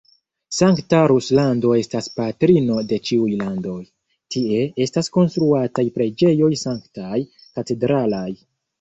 Sankta Ruslando estas patrino de ĉiuj landoj: tie estas konstruataj preĝejoj sanktaj, katedralaj.